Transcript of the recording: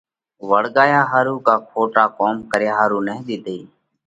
وۯڳايا ۿارُو ڪا کوٽا ڪوم ڪريا ۿارُو نه ۮِيڌئِي۔